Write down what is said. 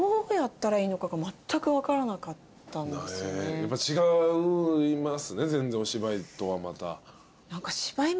やっぱ違いますね全然お芝居とはまた。